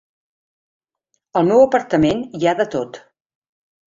Al meu apartament hi ha de tot.